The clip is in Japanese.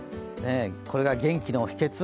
これが元気の秘けつ？